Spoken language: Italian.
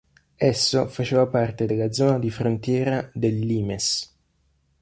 Esso faceva parte della zona di frontiera del limes.